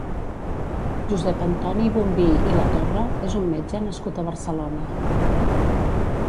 Josep Antoni Bombí i Latorre és un metge nascut a Barcelona.